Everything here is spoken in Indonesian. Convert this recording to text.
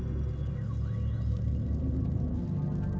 ini apa mbah